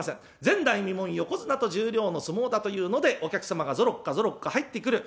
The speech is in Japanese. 前代未聞横綱と十両の相撲だというのでお客様がぞろっかぞろっか入ってくる。